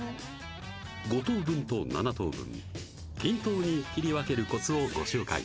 ５等分と７等分均等に切り分けるコツをご紹介